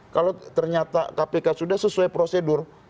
kalau ternyata kpk sudah sesuai prosedur